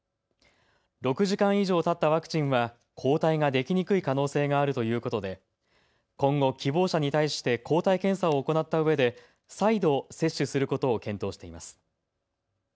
６時間以上たったワクチンは抗体ができにくい可能性があるということで今後、希望者に対して抗体検査を行ったうえで再度、接種することを検討しています。